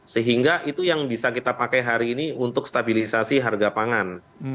sehingga itu yang bisa kita pakai hari ini untuk stabilisasi harga pangan